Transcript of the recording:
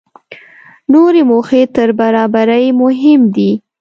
نورې موخې تر برابرۍ مهمې دي.